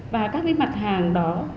và các mặt hàng đó